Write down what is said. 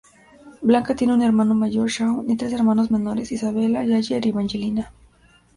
Bianca tiene un hermano mayor, Shawn, y tres hermanos menores, Isabella, Jagger y Evangelina.